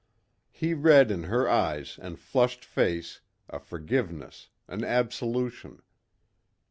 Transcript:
He read in her eyes and flushed face a forgiveness, an absolution.